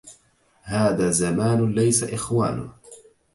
هذا زمان ليس إخوانه